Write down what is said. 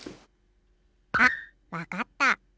あっわかった。